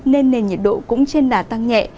nên nền nhiệt độ cũng trên đà tăng nhẹ